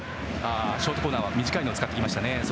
ショートコーナーは短いのを使ってきましたね。